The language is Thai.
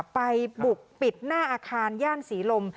ไปบุกปิดหน้าอาคารย่านศรีลม